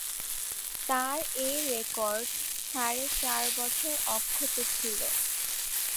তার এ রেকর্ড সাড়ে চার বছর অক্ষত ছিল।